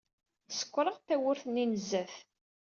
Sekkṛeɣ-d tawwurt-nni n zzat.